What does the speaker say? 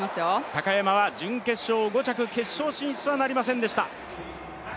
高山は準決勝５着、決勝進出はなりませんでした。